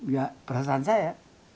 ya perasaan saya